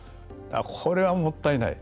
これはもったいない。